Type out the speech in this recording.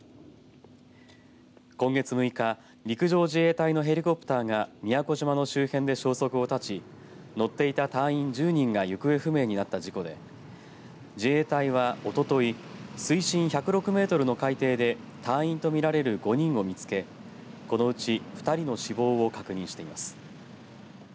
今月６日陸上自衛隊のヘリコプターが宮古島の周辺で消息を絶ち乗っていた隊員１０人が行方不明になった事故で自衛隊はおととい水深１０６メートルの海底で隊員と見られる５人を見つけこのうち２人の死亡を確認しています。